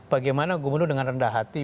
bagaimana gubernur dengan rendah hati